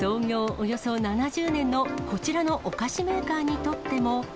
およそ７０年のこちらのお菓子メーカーにとっても。